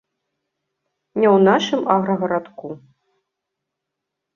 Не ў нашым аграгарадку.